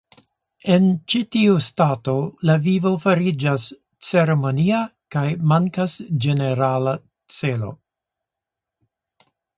En ĉi tiu stato la vivo fariĝas ceremonia kaj mankas ĝenerala celo.